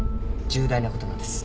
重大な事なんです。